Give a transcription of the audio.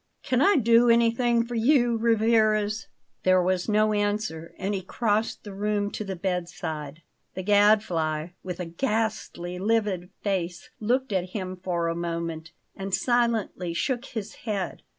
"Can I do anything for you, Rivarez?" There was no answer, and he crossed the room to the bed side. The Gadfly, with a ghastly, livid face, looked at him for a moment, and silently shook his head.